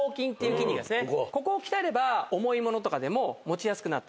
ここを鍛えれば重いものとかでも持ちやすくなったり。